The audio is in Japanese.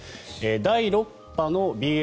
第６波のＢＡ